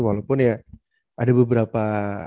walaupun ya ada beberapa